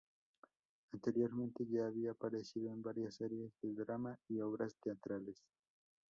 Anteriormente ya había aparecido en varias series de drama y obras teatrales.